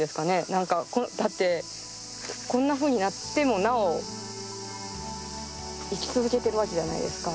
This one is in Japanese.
何かだってこんなふうになってもなお生き続けてるわけじゃないですか。